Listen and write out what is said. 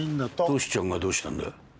トシちゃんがどうしたんだ？